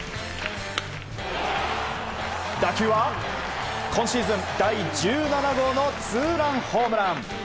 打球は今シーズン第１７号のツーランホームラン。